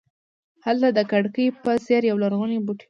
هلته د کړکۍ په څېر یولرغونی بوټی و.